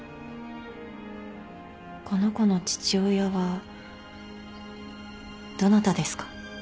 この子の父親はどなたですか？